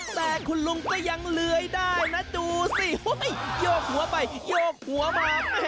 แต่คุณลุงก็ยังเลื้อยได้นะดูสิโยกหัวไปโยกหัวมา